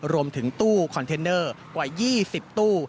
รวมถึงตู้คอนเทนเนอร์กว่า๒๐ตู้